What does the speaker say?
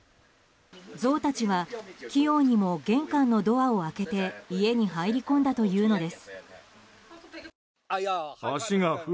ゾウたちは器用にも玄関のドアを開けて家に入り込んだというのです。